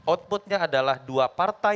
outputnya adalah dua partai